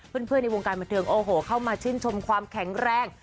เพื่อนในวงการบันเทิงโอ้โหเข้ามาชื่นชมความแข็งแรง